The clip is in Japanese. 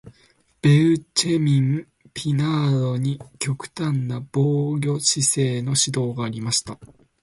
ベウチェミン・ピナードに極端な防御姿勢の指導がありました。